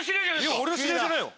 いや俺の知り合いじゃないよ